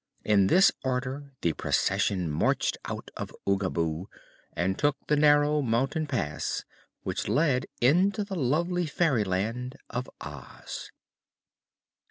In this order the procession marched out of Oogaboo and took the narrow mountain pass which led into the lovely Fairyland of Oz.